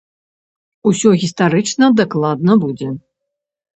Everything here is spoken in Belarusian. Усё гістарычна дакладна будзе.